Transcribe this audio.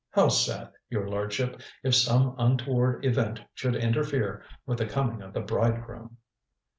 How sad, your lordship, if some untoward event should interfere with the coming of the bridegroom."